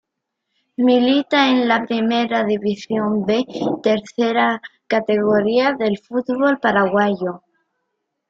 Milita en la Primera División B, tercera categoría del fútbol paraguayo.